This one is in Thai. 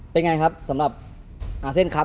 เป็นไงครับสำหรับอาเซียนครับ